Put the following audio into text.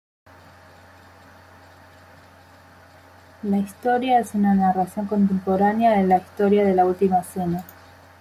La historia es una narración contemporánea de la historia de "La última cena".